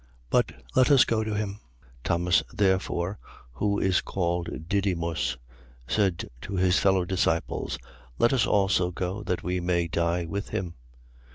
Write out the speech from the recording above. But, let us go to him. 11:16. Thomas therefore, who is called Didymus, said to his fellow disciples: Let us also go, that we may die with him.